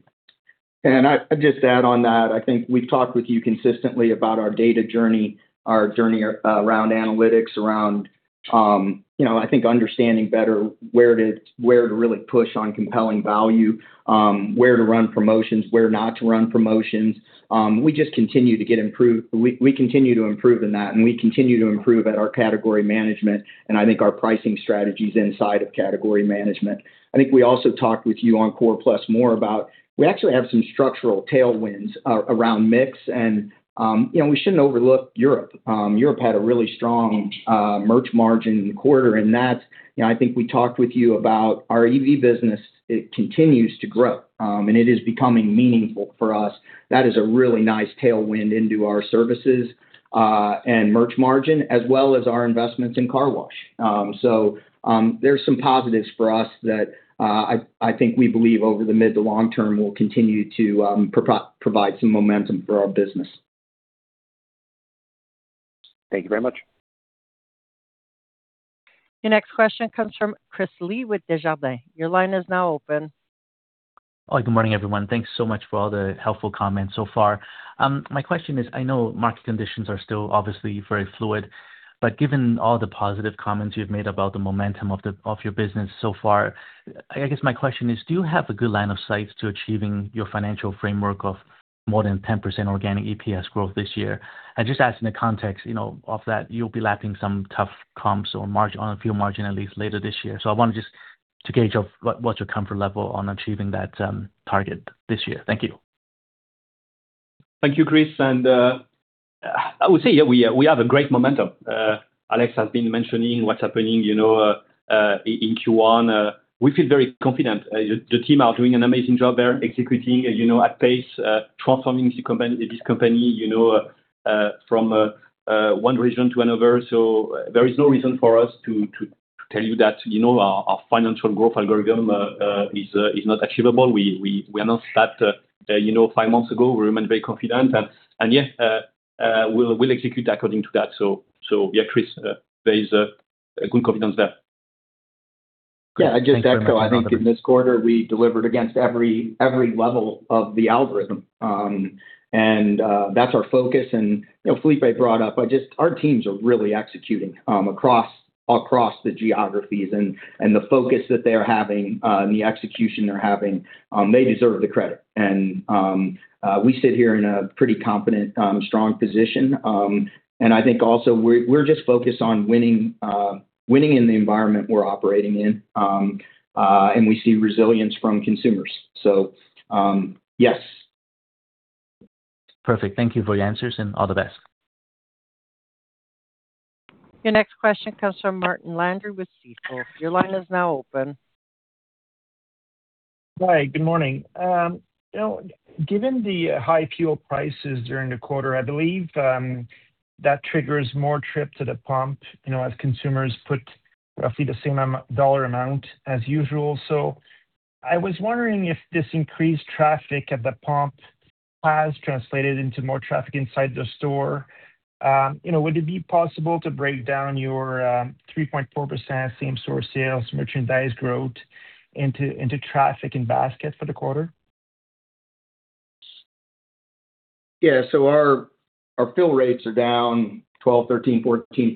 I'd just add on that, I think we've talked with you consistently about our data journey, our journey around analytics, around I think understanding better where to really push on compelling value, where to run promotions, where not to run promotions. We just continue to improve in that, and we continue to improve at our category management and I think our pricing strategies inside of category management. I think we also talked with you on Core + More about, we actually have some structural tailwinds around mix and we shouldn't overlook Europe. Europe had a really strong merch margin quarter. I think we talked with you about our EV business. It continues to grow, and it is becoming meaningful for us. That is a really nice tailwind into our services, and merch margin, as well as our investments in car wash. There's some positives for us that, I think we believe over the mid to long term will continue to provide some momentum for our business. Thank you very much. Your next question comes from Chris Li with Desjardins. Your line is now open. Good morning, everyone. Thanks so much for all the helpful comments so far. My question is, I know market conditions are still obviously very fluid, but given all the positive comments you've made about the momentum of your business so far, I guess my question is, do you have a good line of sight to achieving your financial framework of more than 10% organic EPS growth this year? I just ask in the context, of that you'll be lacking some tough comps on a few margin at least later this year. I want just to gauge what's your comfort level on achieving that target this year. Thank you. Thank you, Chris. I would say we have a great momentum. Alex has been mentioning what's happening in Q1. We feel very confident. The team are doing an amazing job there, executing at pace, transforming this company from one region to another. There is no reason for us to tell you that our financial growth algorithm is not achievable. We announced that five months ago. We remain very confident, we'll execute according to that. Chris, there is a good confidence there. I'd just echo, I think in this quarter, we delivered against every level of the algorithm. That's our focus and Filipe brought up, our teams are really executing, across the geographies and the focus that they're having, and the execution they're having, they deserve the credit. We sit here in a pretty confident, strong position. I think also we're just focused on winning in the environment we're operating in. We see resilience from consumers. Yes. Perfect. Thank you for your answers and all the best. Your next question comes from Martin Landry with Stifel. Your line is now open. Hi, good morning. Given the high fuel prices during the quarter, I believe that triggers more trip to the pump, as consumers put roughly the same dollar amount as usual. I was wondering if this increased traffic at the pump has translated into more traffic inside the store. Would it be possible to break down your 3.4% same store sales merchandise growth into traffic and basket for the quarter? Our fill rates are down 12%, 13%,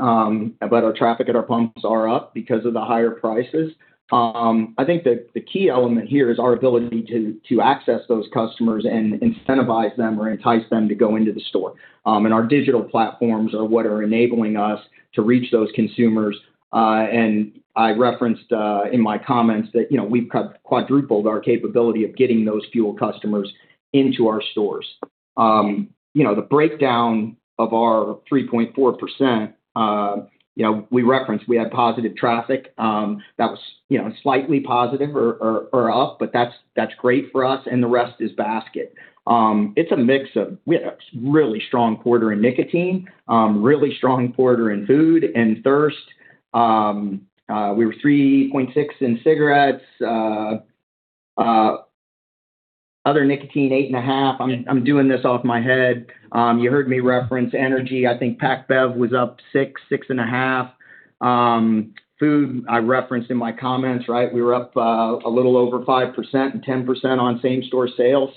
14%, but our traffic at our pumps are up because of the higher prices. I think the key element here is our ability to access those customers and incentivize them or entice them to go into the store. Our digital platforms are what are enabling us to reach those consumers. I referenced in my comments that we've quadrupled our capability of getting those fuel customers into our stores. The breakdown of our 3.4%, we referenced, we had positive traffic, that was slightly positive or up, but that's great for us and the rest is basket. It's a mix of, we had a really strong quarter in nicotine, really strong quarter in food and thirst. We were 3.6% in cigarettes, other nicotine, 8.5%. I'm doing this off my head. You heard me reference energy. I think packaged beverages was up 6%, 6.5%. Food, I referenced in my comments. We were up a little over 5% and 10% on same store sales.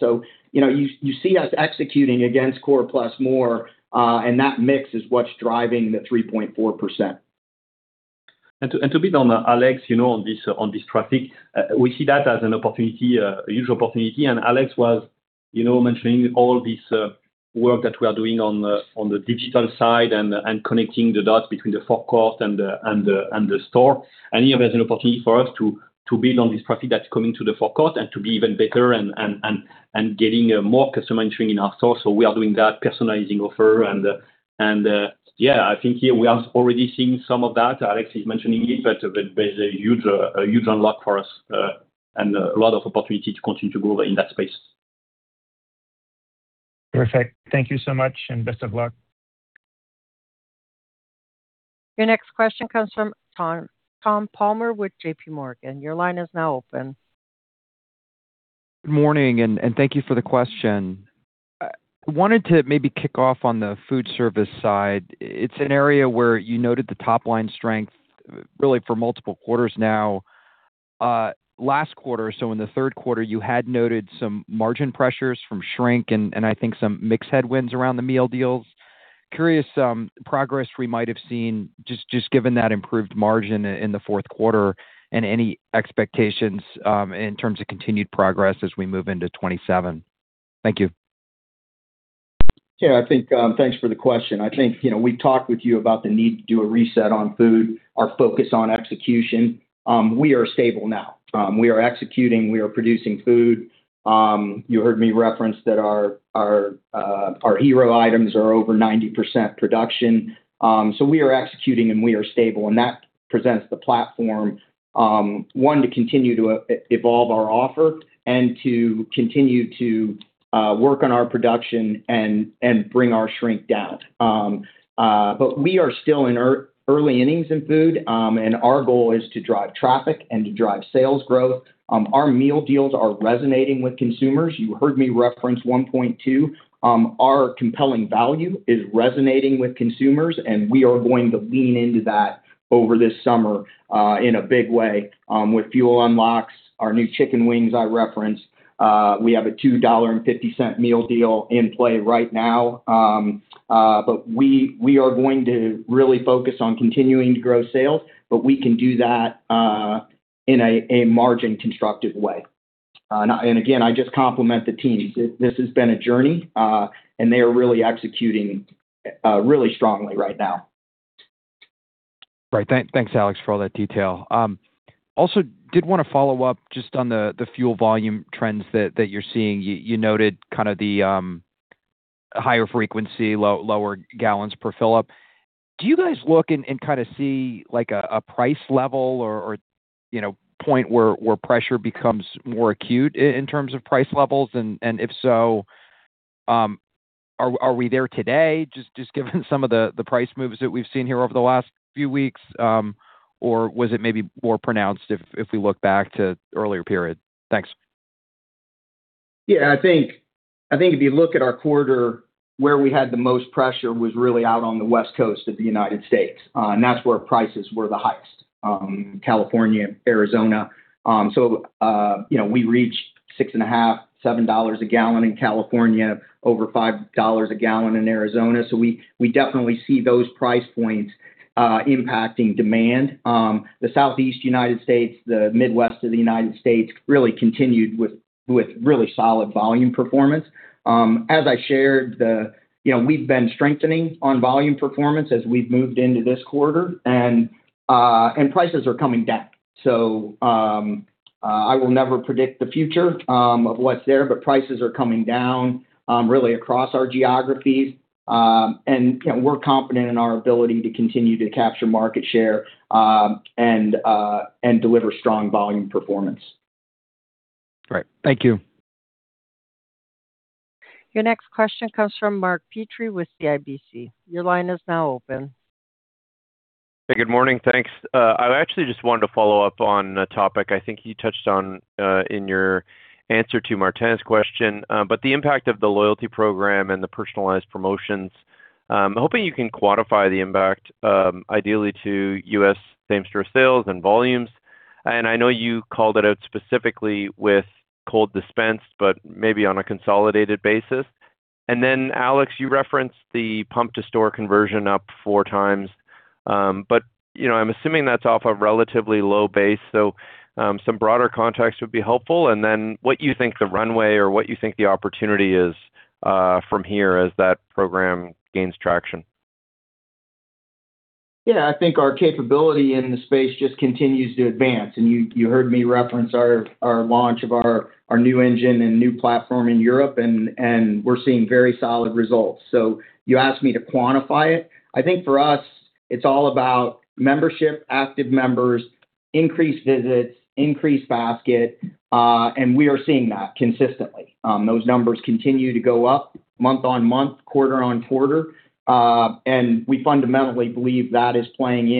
You see us executing against Core + More, and that mix is what's driving the 3.4%. To beat on Alex on this traffic, we see that as a huge opportunity. Alex was mentioning all this work that we are doing on the digital side and connecting the dots between the forecourt and the store. There's an opportunity for us to build on this traffic that's coming to the forecourt and to be even bigger and getting more customer entry in our store. We are doing that personalizing offer and, yeah, I think here we are already seeing some of that. Alex is mentioning it, but there's a huge unlock for us, and a lot of opportunity to continue to grow in that space. Perfect. Thank you so much, and best of luck. Your next question comes from Tom Palmer with JPMorgan. Your line is now open. Good morning, and thank you for the question. I wanted to maybe kick off on the food service side. It's an area where you noted the top-line strength really for multiple quarters now. Last quarter, so in the third quarter, you had noted some margin pressures from shrink and I think some mix headwinds around the meal deals. Curious progress we might have seen just given that improved margin in the fourth quarter and any expectations in terms of continued progress as we move into 2027. Thank you. Thanks for the question. I think we've talked with you about the need to do a reset on food, our focus on execution. We are stable now. We are executing, we are producing food. You heard me reference that our hero items are over 90% production. We are executing and we are stable, and that presents the platform, one, to continue to evolve our offer and to continue to work on our production and bring our shrink down. We are still in early innings in food, and our goal is to drive traffic and to drive sales growth. Our meal deals are resonating with consumers. You heard me reference 1.2. Our compelling value is resonating with consumers, and we are going to lean into that over this summer in a big way with fuel unlocks. Our new chicken wings I referenced. We have a $2.50 meal deal in play right now. We are going to really focus on continuing to grow sales, but we can do that in a margin-constructive way. Again, I just compliment the team. This has been a journey, and they are really executing really strongly right now. Thanks, Alex, for all that detail. Also did want to follow up just on the fuel volume trends that you're seeing. You noted kind of the higher frequency, lower gallons per fill-up. Do you guys look and kind of see like a price level or point where pressure becomes more acute in terms of price levels? If so, are we there today, just given some of the price moves that we've seen here over the last few weeks? Or was it maybe more pronounced if we look back to earlier periods? Thanks. I think if you look at our quarter, where we had the most pressure was really out on the West Coast of the U.S. That's where prices were the highest, California, Arizona. We reached $6.50, $7 a gallon in California, over $5 a gallon in Arizona. We definitely see those price points impacting demand. The Southeast U.S., the Midwest of the U.S. really continued with really solid volume performance. As I shared, we've been strengthening on volume performance as we've moved into this quarter, and prices are coming down. I will never predict the future of what's there, but prices are coming down really across our geographies. We're confident in our ability to continue to capture market share, and deliver strong volume performance. Great. Thank you. Your next question comes from Mark Petrie with CIBC. Your line is now open. Hey, good morning. Thanks. I actually just wanted to follow up on a topic I think you touched on in your answer to Martin's question. The impact of the loyalty program and the personalized promotions, I'm hoping you can quantify the impact ideally to U.S. same-store sales and volumes. I know you called it out specifically with cold dispense, maybe on a consolidated basis. Alex, you referenced the pump-to-store conversion up four times. I'm assuming that's off a relatively low base, some broader context would be helpful. What you think the runway or what you think the opportunity is from here as that program gains traction. Yeah, I think our capability in the space just continues to advance. You heard me reference our launch of our new engine and new platform in Europe we're seeing very solid results. You asked me to quantify it. I think for us it's all about membership, active members, increased visits, increased basket, we are seeing that consistently. Those numbers continue to go up month on month, quarter on quarter. We fundamentally believe that is playing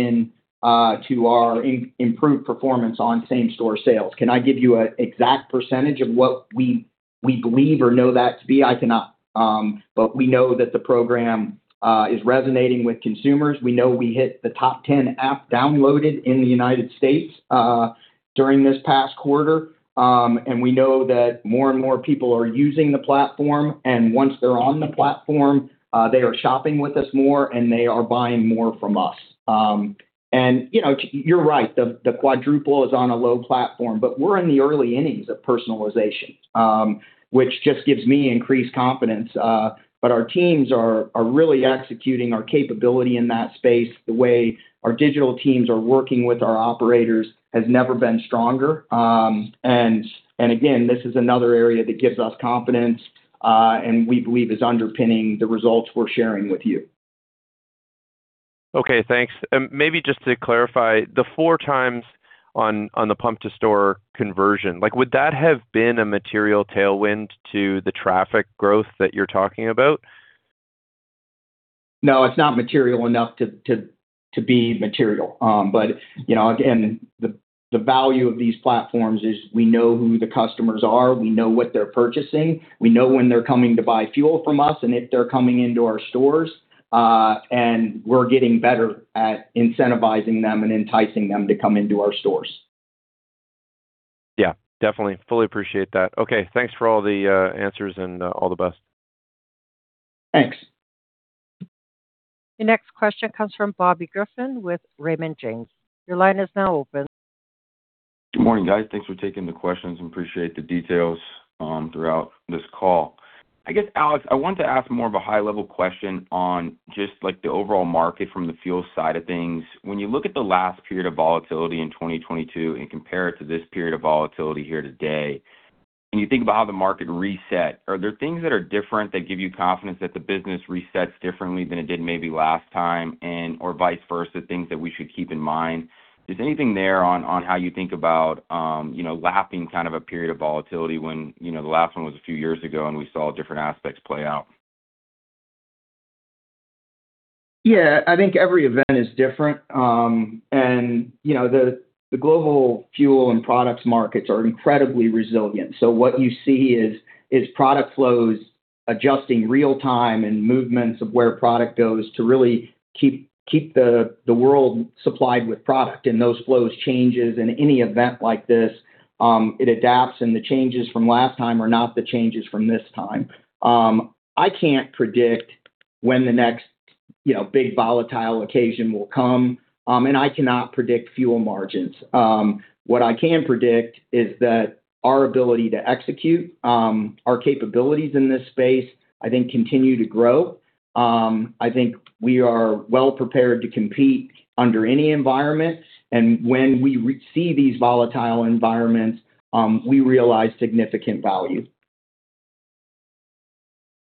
into our improved performance on same-store sales. Can I give you an exact percentage of what we believe or know that to be, I cannot. We know that the program is resonating with consumers. We know we hit the top 10 app downloaded in the United States during this past quarter. We know that more and more people are using the platform. Once they're on the platform, they are shopping with us more. They are buying more from us. You're right, the quadruple is on a low platform, but we're in the early innings of personalization, which just gives me increased confidence. Our teams are really executing our capability in that space. The way our digital teams are working with our operators has never been stronger. Again, this is another area that gives us confidence, and we believe is underpinning the results we're sharing with you. Okay, thanks. Maybe just to clarify, the four times on the pump-to-store conversion, would that have been a material tailwind to the traffic growth that you're talking about? No, it's not material enough to be material. Again, the value of these platforms is we know who the customers are, we know what they're purchasing, we know when they're coming to buy fuel from us, and if they're coming into our stores. We're getting better at incentivizing them and enticing them to come into our stores. Yeah, definitely. Fully appreciate that. Okay, thanks for all the answers. All the best. Thanks. Your next question comes from Bobby Griffin with Raymond James. Your line is now open. Good morning, guys. Thanks for taking the questions. Appreciate the details throughout this call. I guess, Alex, I wanted to ask more of a high-level question on just the overall market from the fuel side of things. When you look at the last period of volatility in 2022 and compare it to this period of volatility here today, you think about how the market reset, are there things that are different that give you confidence that the business resets differently than it did maybe last time and, or vice versa, things that we should keep in mind? Is there anything there on how you think about lapping a period of volatility when the last one was a few years ago and we saw different aspects play out? Yeah. I think every event is different. The global fuel and products markets are incredibly resilient. What you see is product flows adjusting real time and movements of where product goes to really keep the world supplied with product and those flows changes in any event like this. It adapts and the changes from last time are not the changes from this time. I can't predict when the next big volatile occasion will come, and I cannot predict fuel margins. What I can predict is that our ability to execute our capabilities in this space, I think, continue to grow. I think we are well prepared to compete under any environment. When we see these volatile environments, we realize significant value.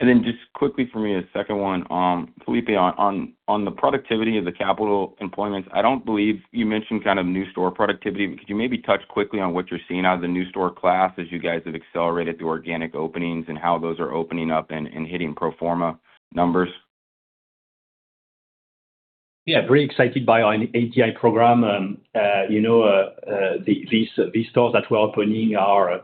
Just quickly for me, a second one. Filipe, on the productivity of the capital employments, I don't believe you mentioned new store productivity. Could you maybe touch quickly on what you're seeing out of the new store class as you guys have accelerated the organic openings and how those are opening up and hitting pro forma numbers? Yeah. Very excited by our ATI program. These stores that we are opening are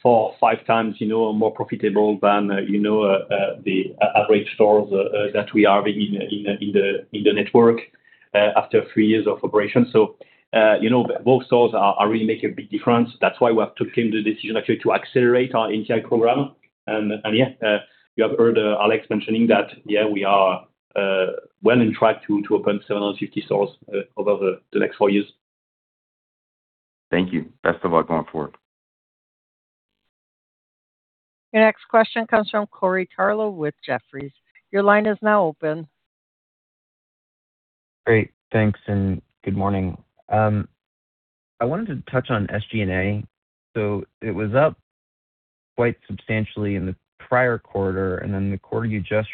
four or five times more profitable than the average stores that we have in the network after three years of operation. Those stores are really making a big difference. That is why we have taken the decision actually to accelerate our ATI program. You have heard Alex mentioning that, we are well on track to open 750 stores over the next four years. Thank you. Best of luck going forward. Your next question comes from Corey Tarlowe with Jefferies. Your line is now open. Great. Thanks and good morning. I wanted to touch on SG&A. It was up quite substantially in the prior quarter, and then the quarter you just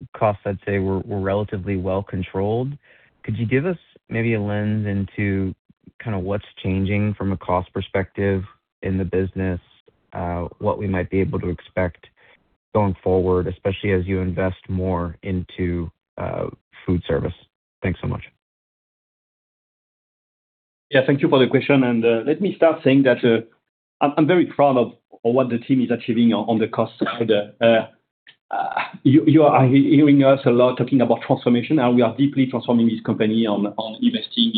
reported, costs, I would say, were relatively well controlled. Could you give us maybe a lens into what is changing from a cost perspective in the business? What we might be able to expect going forward, especially as you invest more into food service? Thanks so much. Thank you for the question. Let me start saying that I'm very proud of what the team is achieving on the cost side. You are hearing us a lot talking about transformation, how we are deeply transforming this company on investing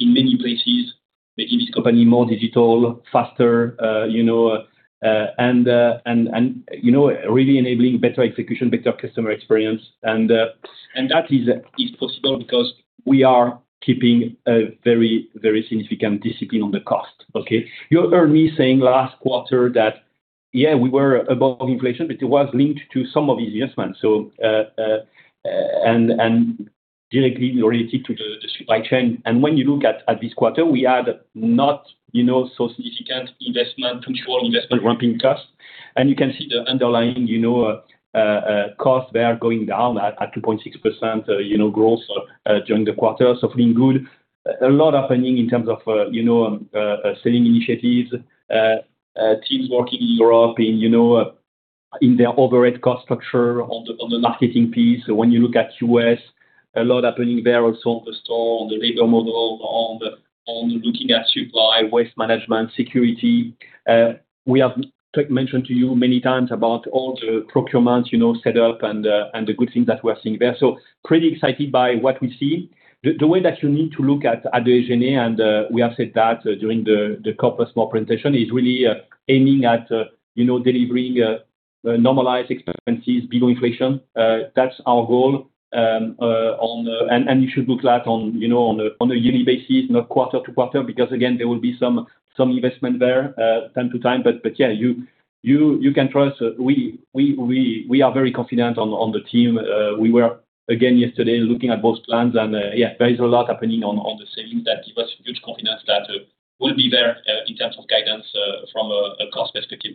in many places, making this company more digital, faster, and really enabling better execution, better customer experience. That is possible because we are keeping a very significant discipline on the cost, okay? You heard me saying last quarter we were above inflation, but it was linked to some of these investments, and directly related to the supply chain. When you look at this quarter, we are not so significant investment to control investment ramping costs. You can see the underlying costs, they are going down at 2.6% growth during the quarter, so feeling good. A lot happening in terms of selling initiatives, teams working in Europe in the overhead cost structure on the marketing piece. When you look at U.S., a lot happening there also on the store, on the labor model, on looking at supply, waste management, security. We have mentioned to you many times about all the procurements set up and the good things that we are seeing there. Pretty excited by what we see. The way that you need to look at AGNE, and we have said that during the Core + More presentation, is really aiming at delivering normalized expenses below inflation. That's our goal. You should look at that on a yearly basis, not quarter to quarter, because again, there will be some investment there, time to time. You can trust we are very confident on the team. We were again yesterday looking at those plans. There is a lot happening on the savings that give us huge confidence that we'll be there, in terms of guidance, from a cost perspective.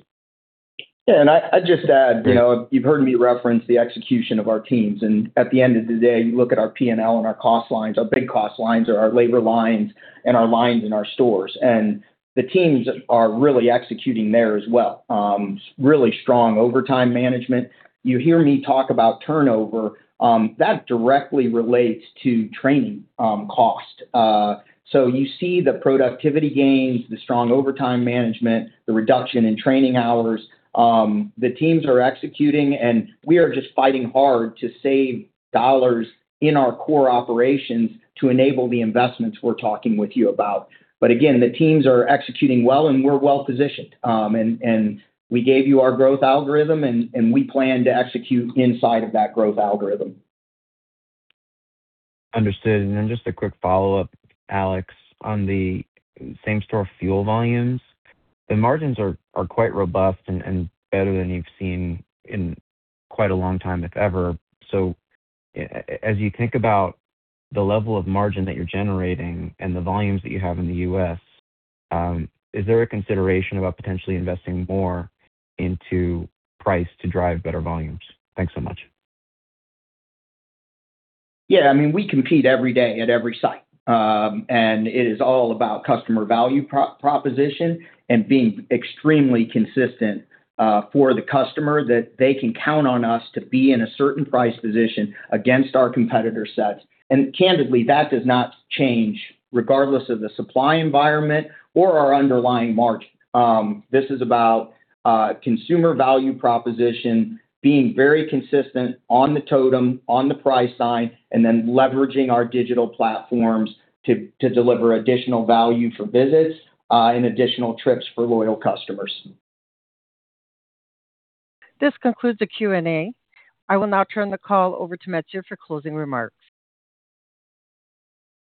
I'll just add, you've heard me reference the execution of our teams, and at the end of the day, you look at our P&L and our cost lines. Our big cost lines are our labor lines and our lines in our stores. The teams are really executing there as well. Really strong overtime management. You hear me talk about turnover, that directly relates to training cost. You see the productivity gains, the strong overtime management, the reduction in training hours. The teams are executing and we are just fighting hard to save dollars in our core operations to enable the investments we're talking with you about. Again, the teams are executing well and we're well-positioned. We gave you our growth algorithm and we plan to execute inside of that growth algorithm. Understood. Just a quick follow-up, Alex, on the same store fuel volumes. The margins are quite robust and better than you've seen in quite a long time, if ever. As you think about the level of margin that you're generating and the volumes that you have in the U.S., is there a consideration about potentially investing more into price to drive better volumes? Thanks so much. Yeah, we compete every day at every site. It is all about customer value proposition and being extremely consistent, for the customer, that they can count on us to be in a certain price position against our competitor sets. Candidly, that does not change regardless of the supply environment or our underlying margin. This is about consumer value proposition being very consistent on the totem, on the price sign, leveraging our digital platforms to deliver additional value for visits, and additional trips for loyal customers. This concludes the Q&A. I will now turn the call over to Mathieu for closing remarks.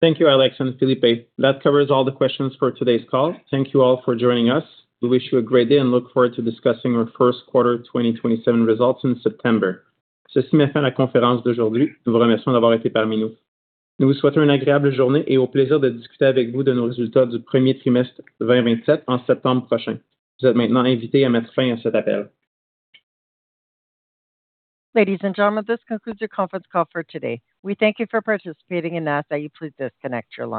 Thank you, Alex and Filipe. That covers all the questions for today's call. Thank you all for joining us. We wish you a great day and look forward to discussing our first quarter 2027 results in September. Ladies and gentlemen, this concludes your conference call for today. We thank you for participating and ask that you please disconnect your line.